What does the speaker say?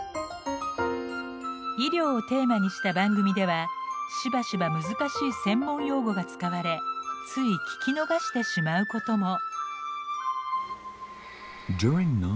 医療をテーマにした番組ではしばしば難しい専門用語が使われつい聞き逃してしまうことも。